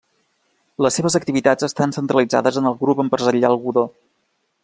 Les seves activitats estan centralitzades en el Grup empresarial Godó.